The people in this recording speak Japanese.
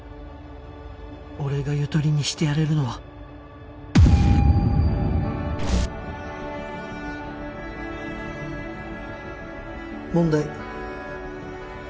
俺がゆとりにしてやれるのは問題。